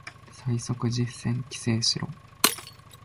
最速実践規制しろ